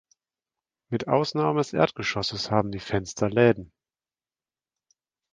Mit Ausnahme des Erdgeschosses haben die Fenster Läden.